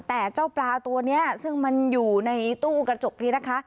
แต่เจ้าปลาตัวนี้ซึ่งมันอยู่ในตู้กระจกนี้นะคะ